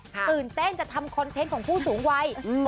ตื่นเต้นจะทำคอนเทนต์ของผู้สูงวัย